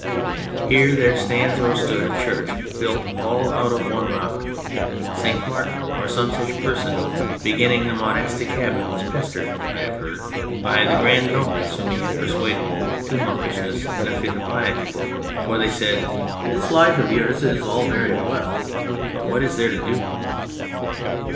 Here there stands or stood a church built all out of one rock. St. Martin, or some such person, beginning the monastic habit, was pestered (I have heard) by the grand nobles whom he had persuaded to monkish ness in a fit of piety, for they said :" This life of yours is all very well, but what is there to do